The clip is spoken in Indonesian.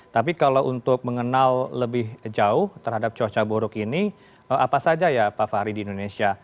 tapi kalau untuk mengenal lebih jauh terhadap cuaca buruk ini apa saja ya pak fahri di indonesia